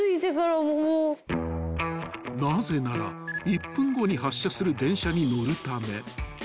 ［なぜなら１分後に発車する電車に乗るため］